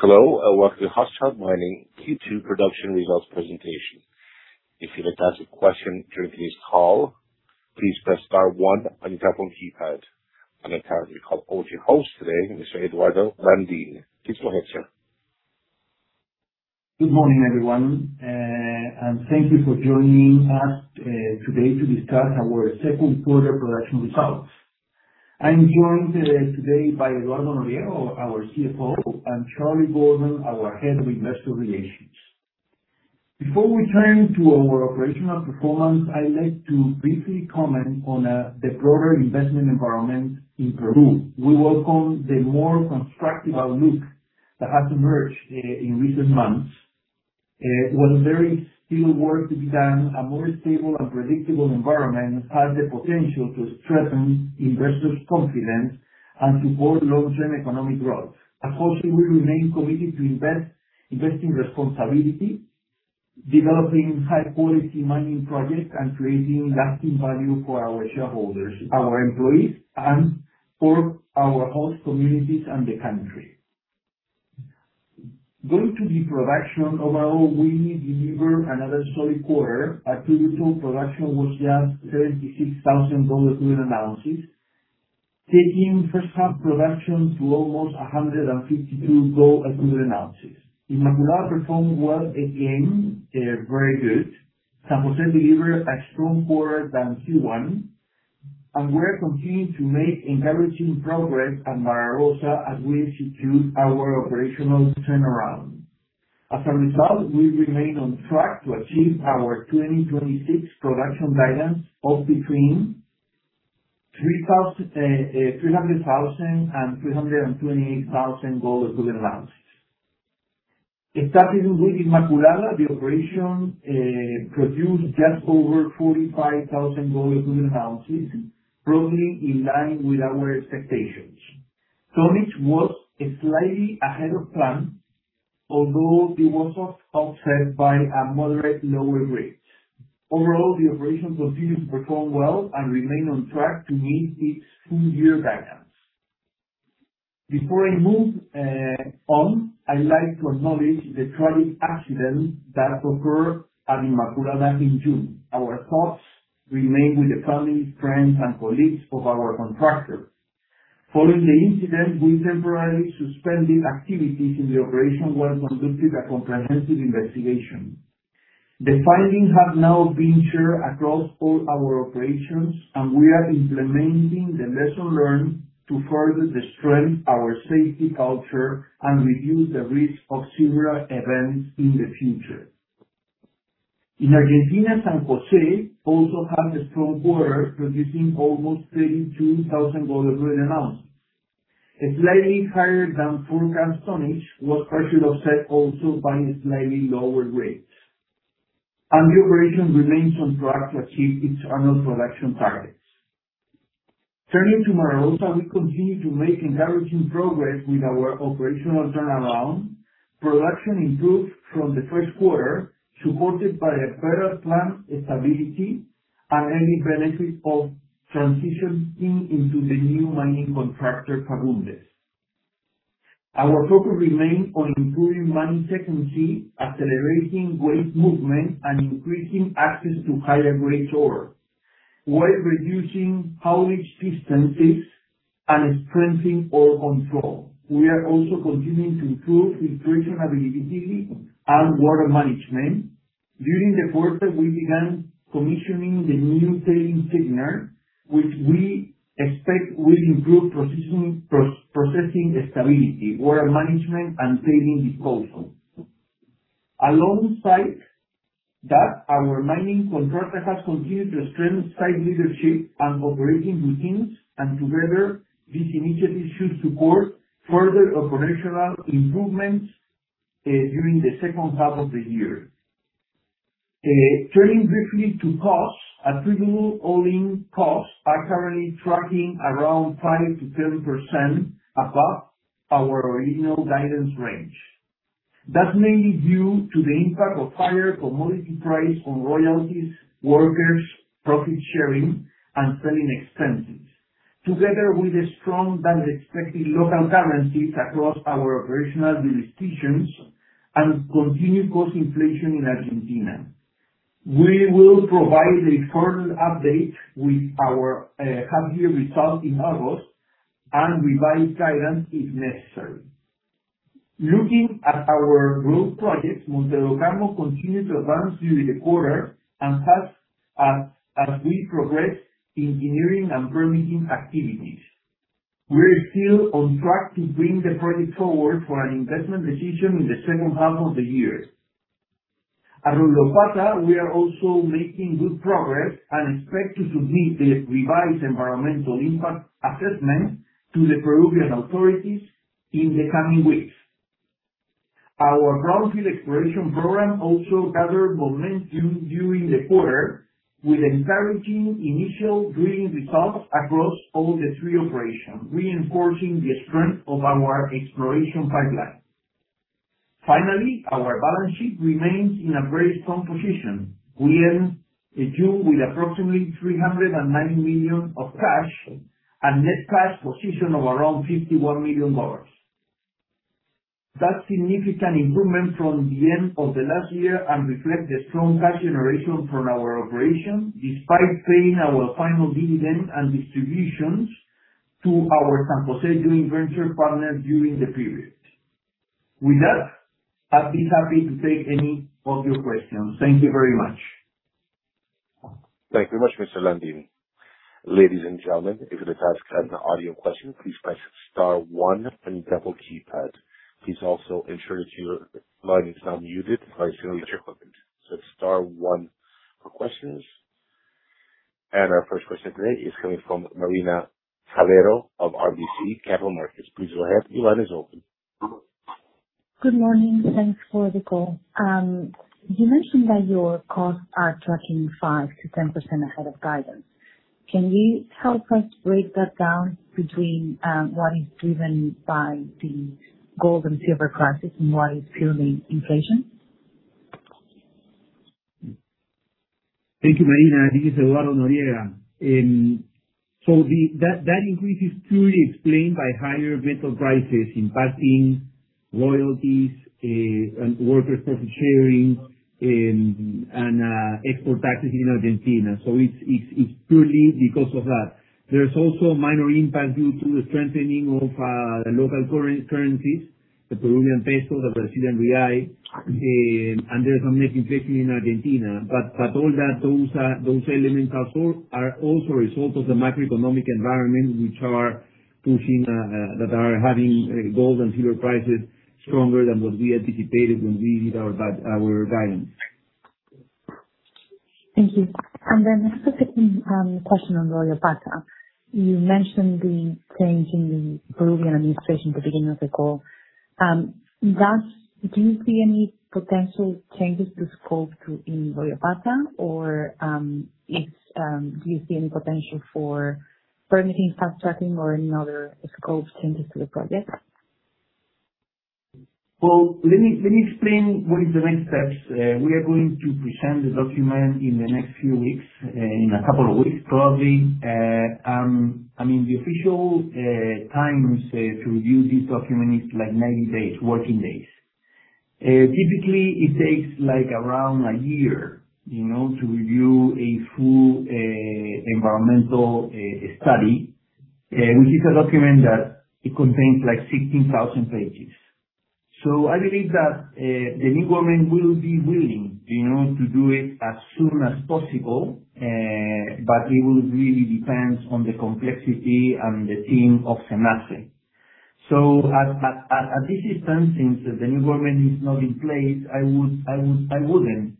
Hello, welcome to Hochschild Mining Q2 Production Results Presentation. If you'd like to ask a question during this call, please press star one on your telephone keypad. I'd like to introduce your host today, Mr. Eduardo Landin. Please go ahead, Sir. Good morning, everyone, thank you for joining us today to discuss our second quarter production results. I'm joined today by Eduardo Noriega, our Chief Financial Officer, and Charlie Gordon, our Head of Investor Relations. Before we turn to our operational performance, I'd like to briefly comment on the broader investment environment in Peru. We welcome the more constructive outlook that has emerged in recent months. While there is still work to be done, a more stable and predictable environment has the potential to strengthen investors' confidence and support long-term economic growth. At Hochschild, we remain committed to investing responsibility, developing high-quality mining projects, and creating lasting value for our shareholders, our employees, and for our host communities and the country. Going to the production, overall, we delivered another solid quarter. Attributable production was just 76,000 gold equivalent ounces, taking first half production to almost 152 gold equivalent ounces. Inmaculada performed well again, very good. San Jose delivered a strong quarter than Q1. We are continuing to make encouraging progress at Mara Rosa as we institute our operational turnaround. As a result, we remain on track to achieve our 2026 production guidance of between 300,000 and 328,000 gold equivalent ounces. Starting with Inmaculada, the operation produced just over 45,000 gold equivalent ounces, broadly in line with our expectations. Tonnage was slightly ahead of plan, although it was offset by a moderate lower grade. Overall, the operation continued to perform well and remain on track to meet its full-year guidance. Before I move on, I'd like to acknowledge the tragic accident that occurred at Inmaculada in June. Our thoughts remain with the families, friends, and colleagues of our contractor. Following the incident, we temporarily suspended activities in the operation while conducting a comprehensive investigation. The findings have now been shared across all our operations. We are implementing the lessons learned to further strengthen our safety culture and reduce the risk of similar events in the future. In Argentina, San Jose also had a strong quarter, producing almost 32,000 gold equivalent ounces. A slightly higher-than-forecast tonnage was partially offset also by slightly lower grades. The operation remains on track to achieve its annual production targets. Turning to Mara Rosa, we continue to make encouraging progress with our operational turnaround. Production improved from the first quarter, supported by a better plant stability and early benefits of transitioning into the new mining contractor, Fagundes. Our focus remains on improving mine sequence, accelerating waste movement, and increasing access to higher-grade ore while reducing haulage distances and strengthening ore control. We are also continuing to improve filtration availability and water management. During the quarter, we began commissioning the new tailings thickener, which we expect will improve processing stability, water management, and tailings disposal. Alongside that, our mining contractor has continued to strengthen site leadership and operating routines, and together, these initiatives should support further operational improvements during the second half of the year. Turning briefly to costs, attributable all-in costs are currently tracking around 5%-10% above our original guidance range. That is mainly due to the impact of higher commodity price on royalties, workers' profit sharing, and selling expenses, together with a stronger-than-expected local currencies across our operational jurisdictions and continued cost inflation in Argentina. We will provide a further update with our half-year results in August and revised guidance if necessary. Looking at our growth projects, Monte do Carmo continued to advance during the quarter and has, as we progress, engineering and permitting activities. We are still on track to bring the project forward for an investment decision in the second half of the year. At Royropata, we are also making good progress and expect to submit the revised environmental impact assessment to the Peruvian authorities in the coming weeks. Our greenfield exploration program also gathered momentum during the quarter, with encouraging initial drilling results across all the three operations, reinforcing the strength of our exploration pipeline. Finally, our balance sheet remains in a very strong position. We end June with approximately $309 million of cash and net cash position of around $51 million. That is significant improvement from the end of the last year and reflect the strong cash generation from our operation, despite paying our final dividend and distributions to our San Jose joint venture partner during the period. With that, I would be happy to take any of your questions. Thank you very much. Thank you very much, Mr. Landin. Ladies and gentlemen, if you would like to ask an audio question, please press star one on your telephone keypad. Please also ensure that your line is not muted by whoever is nearest your equipment. Star one for questions. Our first question today is coming from Marina Calero of RBC Capital Markets. Please go ahead. Your line is open. Good morning. Thanks for the call. You mentioned that your costs are tracking 5%-10% ahead of guidance. Can you help us break that down between, what is driven by the gold and silver prices and what is purely inflation? Thank you, Marina. This is Eduardo Noriega. That increase is purely explained by higher metal prices impacting royalties, worker profit sharing, and export taxes in Argentina. It's purely because of that. There's also a minor impact due to the strengthening of local currencies, the Peruvian Sol, the Brazilian Real, and there's some appreciation in Argentina. All those elements are also a result of the macroeconomic environment, which are having gold and silver prices stronger than what we anticipated when we did our guidance. Thank you. A specific question on Royropata. You mentioned the change in the Peruvian administration at the beginning of the call. Do you see any potential changes to scope in Royropata? Do you see any potential for permitting fast-tracking or any other scope changes to the project? Well, let me explain what is the next steps. We are going to present the document in the next few weeks, in a couple of weeks, probably. The official times to review this document is 90 days, working days. Typically, it takes around a year to review a full environmental study, which is a document that contains 16,000 pages. I believe that the new government will be willing to do it as soon as possible, but it will really depend on the complexity and the team of SENACE. At this instance, since the new government is not in place, I wouldn't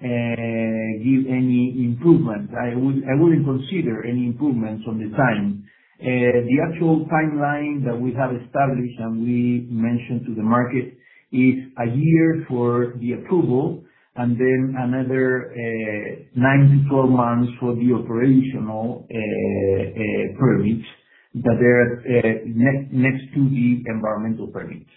give any improvement. I wouldn't consider any improvements on the time. The actual timeline that we have established, and we mentioned to the market, is a year for the approval and then another 9-12 months for the operational permits that are next to the environmental permits.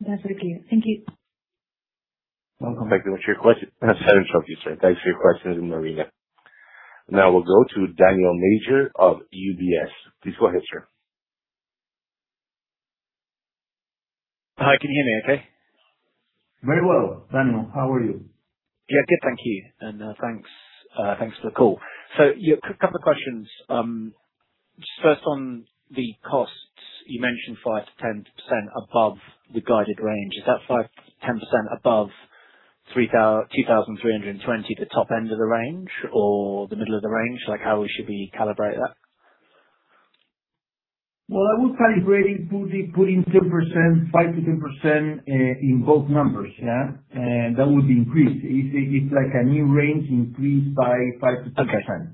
That's very clear. Thank you. Welcome. Thank you for your question. Sorry to interrupt you, Sir. Thanks for your question, Marina. Now we'll go to Daniel Major of UBS. Please go ahead, Sir. Hi, can you hear me okay? Very well, Daniel. How are you? Yeah, good, thank you. Thanks for the call. A quick couple of questions. Just first on the costs, you mentioned 5%-10% above the guided range. Is that 5%-10% above $2,320 at the top end of the range or the middle of the range? How should we calibrate that? Well, I would calibrate it putting 10%, 5%-10% in both numbers, yeah. That would be increased. It's like a new range increased by 5%-10%.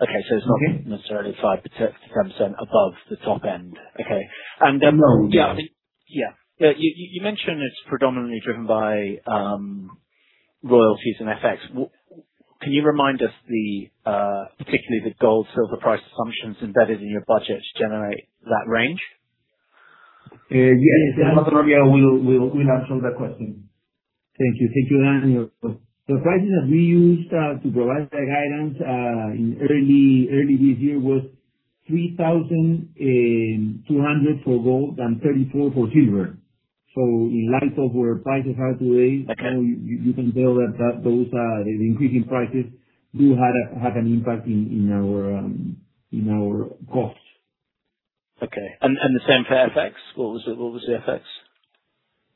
Okay. It's not necessarily 5%-10% above the top end. Okay. No. Yeah. You mentioned it's predominantly driven by royalties and FX. Can you remind us, particularly the gold, silver price assumptions embedded in your budget to generate that range? Eduardo Noriega will answer that question. Thank you. Thank you, Daniel, for the question. The pricing that we used to provide that guidance early this year was $3,200 for gold and $34 for silver. Okay You can tell that those increasing prices do have an impact in our costs. Okay. The same for FX? What was the FX?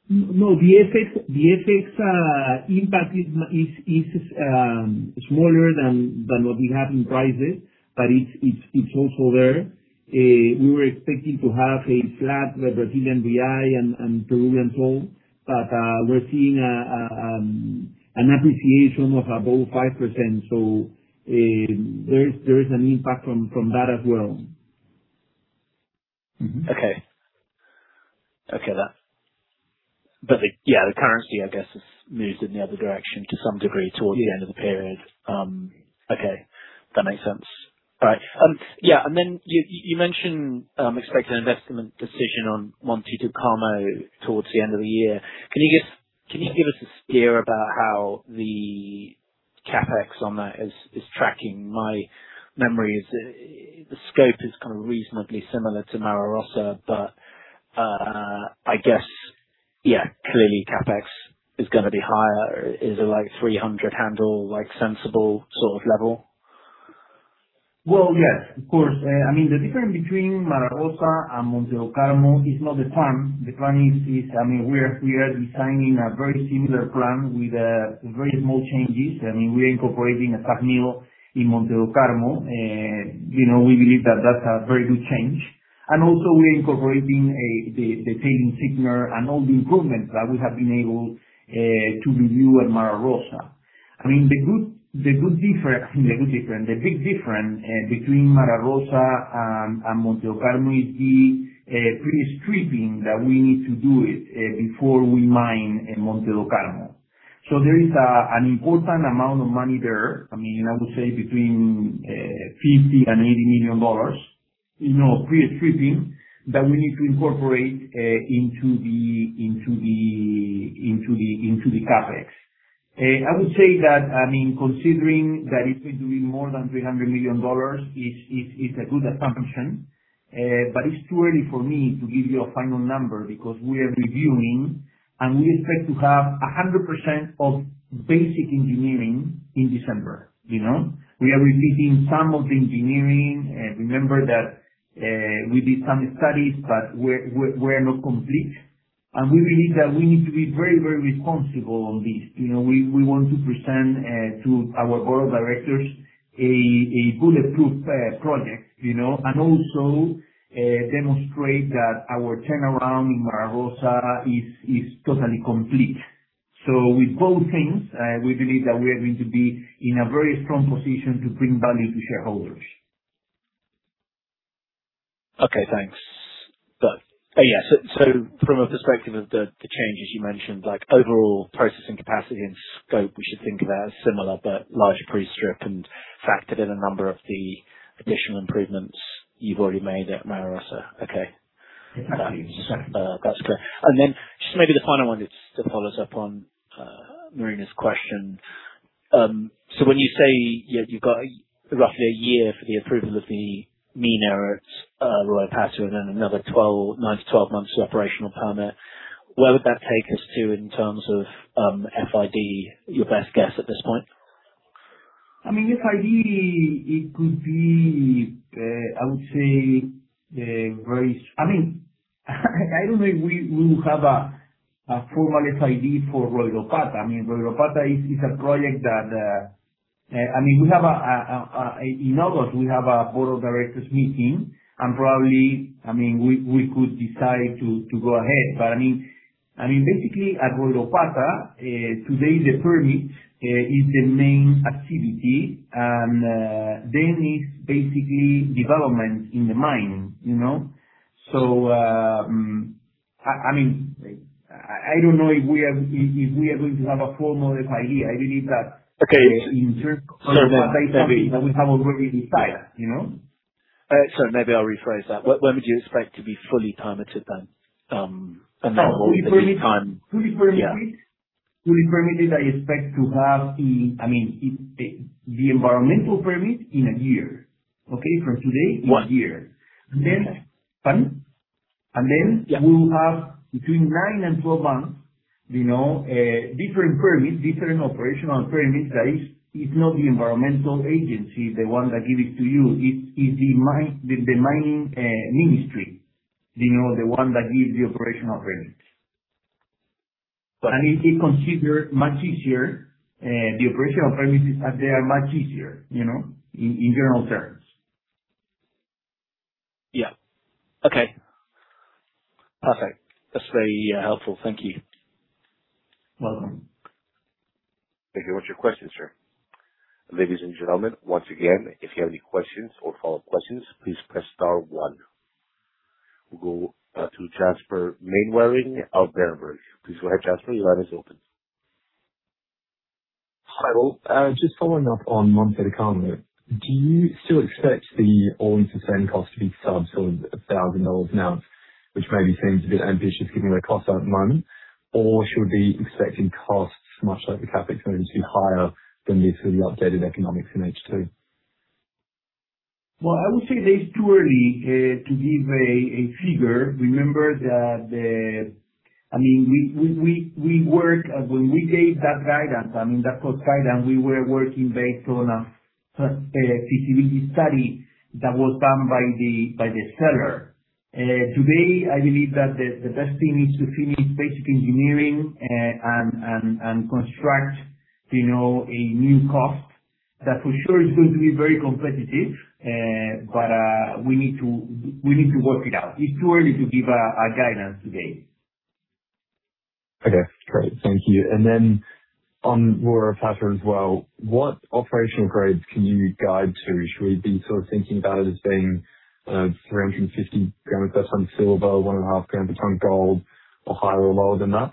The FX impact is smaller than what we have in prices, it's also there. We were expecting to have a flat Brazilian Real and Peruvian Sol. We're seeing an appreciation of about 5%. There is an impact from that as well. Okay. That's clear. The currency, I guess, has moved in the other direction to some degree towards the end of the period. Okay. That makes sense. All right. You mentioned expecting an investment decision on Monte do Carmo towards the end of the year. Can you give us a steer about how the CapEx on that is tracking? My memory is the scope is reasonably similar to Mara Rosa, I guess clearly CapEx is going to be higher. Is it like $300 handle, sensible sort of level? Well, yes, of course. The difference between Mara Rosa and Monte do Carmo is not the plan. We are designing a very similar plan with very small changes. We're incorporating a SAG mill in Monte do Carmo. We believe that's a very good change. We're incorporating the tailings thickener and all the improvements that we have been able to review at Mara Rosa. The big difference between Mara Rosa and Monte do Carmo is the pre-stripping that we need to do before we mine Monte do Carmo. There is an important amount of money there. I would say between $50 million and $80 million, pre-stripping, that we need to incorporate into the CapEx. I would say that considering that it will be more than $300 million is a good assumption. It's too early for me to give you a final number because we are reviewing, and we expect to have 100% of basic engineering in December. We are receiving some of the engineering. Remember that we did some studies, but we're not complete. We believe that we need to be very responsible on this. We want to present to our board of directors a bulletproof project and also demonstrate that our turnaround in Mara Rosa is totally complete. With both things, we believe that we are going to be in a very strong position to bring value to shareholders. Okay, thanks. From a perspective of the changes you mentioned, like overall processing capacity and scope, we should think about as similar, but larger pre-strip and factored in a number of the additional improvements you've already made at Mara Rosa. Okay. Exactly. That's clear. Just maybe the final one is to follow up on Marina's question. When you say you've got roughly a year for the approval of the Mina at Royropata, and then another 9-12 months for operational permit, where would that take us to in terms of FID, your best guess at this point? FID, I don't know if we will have a formal FID for Royropata. Royropata is a project that in August, we have a board of directors meeting, and probably, we could decide to go ahead. Basically at Royropata, today the permit is the main activity, and then it's basically development in the mine. I don't know if we are going to have a formal FID. Okay. In terms of Royropata is something that we have already decided. Maybe I'll rephrase that. When would you expect to be fully permitted then? Fully permitted? Yeah. Fully permitted, I expect to have the environmental permit in a year. Okay. From today, a year. One year. Pardon? Then we'll have between nine and 12 months, different permit, different operational permit. It's not the environmental agency, the one that give it to you. It's the mining ministry, the one that gives the operational permits. I mean, it's considered much easier. The operational permits there are much easier, in general terms. Yeah. Okay. Perfect. That's very helpful. Thank you. Welcome. Thank you. That's your question, Sir. Ladies and gentlemen, once again, if you have any questions or follow-up questions, please press star one. We'll go to Jasper Mainwaring of Berenberg. Please go ahead, Jasper. Your line is open. Hi, all. Just following up on Monte do Carmo. Do you still expect the all-in sustaining cost to be sub sort of $1,000 now? Which maybe seems a bit ambitious given where costs are at the moment. Should we be expecting costs much like the CapEx maybe to be higher than the sort of updated economics in H2? Well, I would say that it's too early to give a figure. Remember that when we gave that guidance, that cost guidance, we were working based on a feasibility study that was done by the seller. Today, I believe that the best thing is to finish basic engineering and construct a new cost that for sure is going to be very competitive. We need to work it out. It's too early to give a guidance today. Okay, great. Thank you. On Mara Rosa as well, what operational grades can you guide to? Should we be thinking about it as being 350 grams per ton silver, one and a half gram per ton gold or higher or lower than that?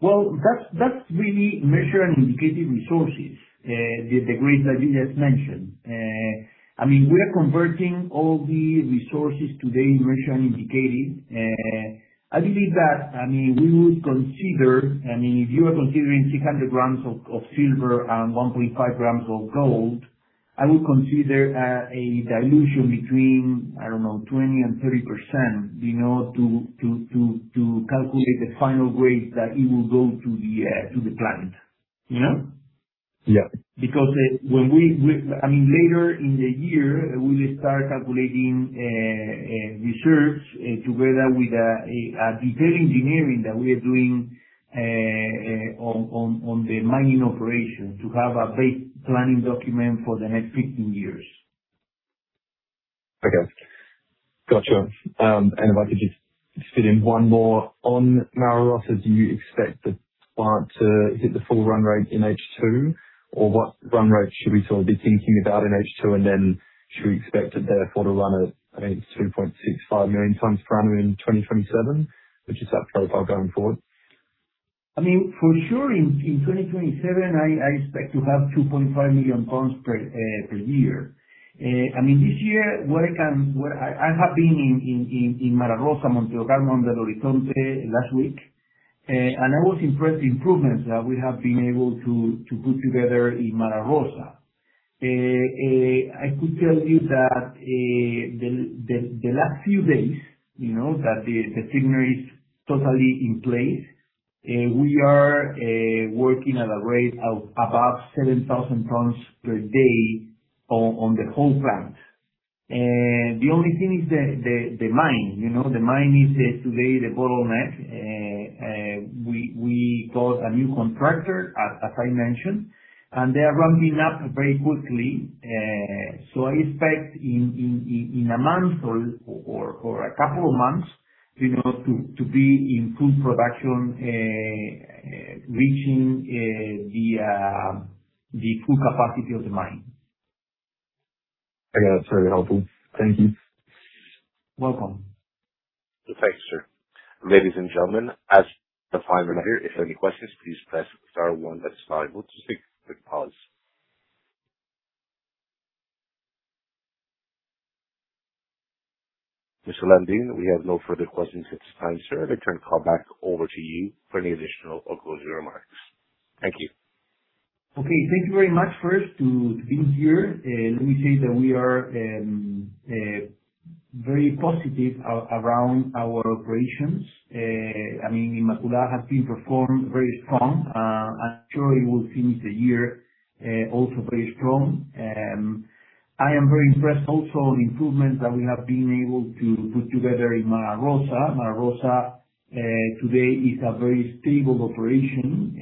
Well, that's really measured and indicated resources, the grades that you just mentioned. We are converting all the resources today, measured and indicated. I believe that we would consider, if you are considering 300 g of silver and 1.5 g of gold, I would consider a dilution between, I don't know, 20% and 30%, to calculate the final grade that it will go to the plant. Yeah. Later in the year, we will start calculating research together with a detail engineering that we are doing on the mining operation to have a base planning document for the next 15 years. Okay. Got you. If I could just fit in one more. On Mara Rosa, do you expect the plant to hit the full run rate in H2? What run rate should we be thinking about in H2? Should we expect it therefore to run at 2.65 million tons per annum in 2027, which is that profile going forward? For sure in 2027 I expect to have 2.5 million tons per year. This year, I have been in Mara Rosa, Monte do Carmo, and Belo Horizonte last week, and I was impressed the improvements that we have been able to put together in Mara Rosa. I could tell you that the last few days, that the thickener is totally in place. We are working at a rate of about 7,000 tons per day on the whole plant. The only thing is the mine. The mine is today the bottleneck. We got a new contractor, as I mentioned, and they are ramping up very quickly. I expect in a month or a couple of months to be in full production, reaching the full capacity of the mine. Okay. That's very helpful. Thank you. Welcome. Thank you, Sir. Ladies and gentlemen, as the timer here, if you have any questions, please press star one that is now unmuted. Quick pause. Mr. Landin, we have no further questions at this time, Sir. I'd like turn call back over to you for any additional or closing remarks. Thank you. Okay. Thank you very much. First, to be here. Let me say that we are very positive around our operations. Inmaculada has been performed very strong. I'm sure it will finish the year also very strong. I am very impressed also on improvements that we have been able to put together in Mara Rosa. Mara Rosa today is a very stable operation.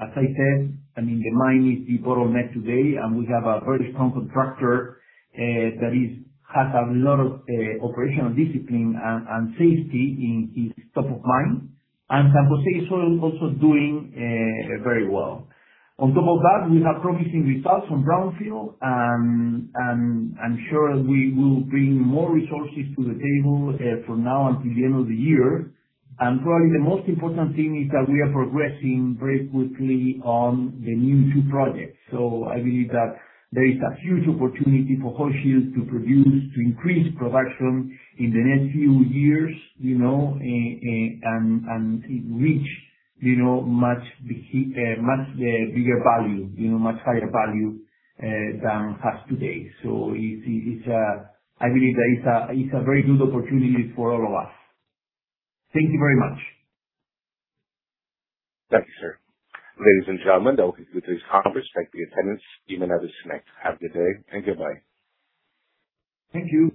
As I said, the mine is the bottleneck today, and we have a very strong contractor that has a lot of operational discipline and safety is top of mind. San Jose is also doing very well. On top of that, we have promising results from brownfield, and I'm sure we will bring more resources to the table from now until the end of the year. Probably the most important thing is that we are progressing very quickly on the new two projects. I believe that there is a huge opportunity for Hochschild to produce, to increase production in the next few years, and reach much bigger value, much higher value, than has today. I believe that it's a very good opportunity for all of us. Thank you very much. Thank you, Sir. Ladies and gentlemen, that will conclude today's conference. Thank the attendants. You may now disconnect. Have a good day and goodbye. Thank you.